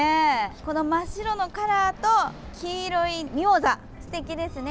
この真っ白のカラーと黄色いミモザ、すてきですね。